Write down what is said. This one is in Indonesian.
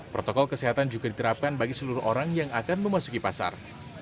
protokol kesehatan juga diterapkan bagi seluruh orang yang akan memasuki pasar